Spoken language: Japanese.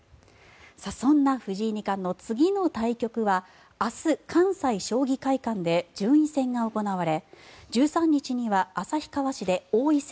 そんな藤井二冠の次の対局は明日、関西将棋会館で順位戦が行われ１３日には旭川市で王位戦